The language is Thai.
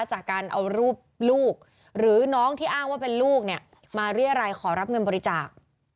จากการเอารูปลูกหรือน้องที่อ้างว่าเป็นลูกเนี่ยมาเรียรัยขอรับเงินบริจาค